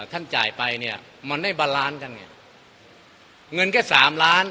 จ่ายไปเนี่ยมันได้บาลานซ์กันไงเงินแค่สามล้าน